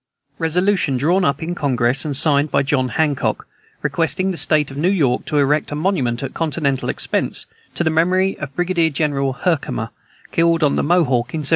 Resolution drawn up in Congress, and signed by John Hancock, requesting the state of New York to erect a monument, at continental expense, to the memory of Brigadier General Herkimer, killed on the Mohawk in 1777.